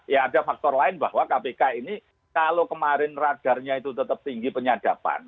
ya ada faktor lain bahwa kpk ini kalau kemarin radarnya itu tetap tinggi penyadapan